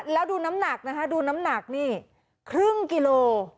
แล้วดูน้ำหนักนะคะดูน้ำหนักนี่ครึ่งกิโล